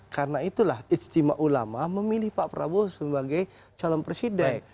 karena itulah istimewa ulama memilih pak prabowo sebagai calon presiden